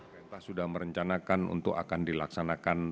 pemerintah sudah merencanakan untuk akan dilaksanakan